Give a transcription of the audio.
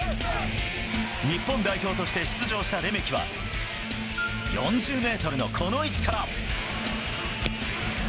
日本代表として出場したレメキは、４０メートルのこの位置から。